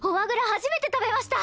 初めて食べました！